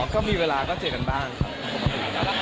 ก็มีเวลาก็เจอกันบ้างครับ